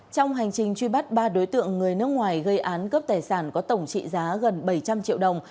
trong hành trình truy bắt ba đối tượng người nước ngoài gây án cướp tài sản có tổng trị giá gần bảy trăm linh triệu đồng